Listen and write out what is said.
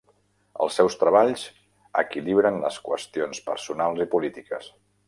Els seus treballs equilibren les qüestions personals i polítiques.